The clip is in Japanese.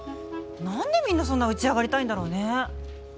なんでみんなそんな打ち上がりたいんだろうね。